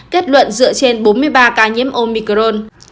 kết luận dựa trên bốn mươi ba ca nhiễm omicron